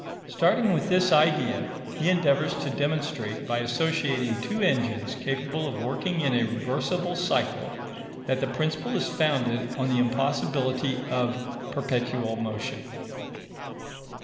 Starting with this idea, he endeavours to demonstrate, by associating two engines capable of working in a reversible cycle, that the principle is founded on the impossibility of perpetual motion.